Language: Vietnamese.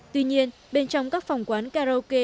tuy nhiên bên trong các phòng quán karaoke